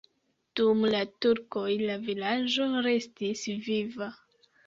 Dum la turkoj la vilaĝo restis viva.